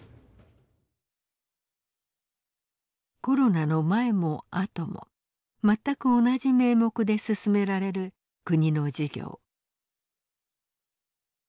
コロナの前も後も全く同じ名目で進められる国の事業。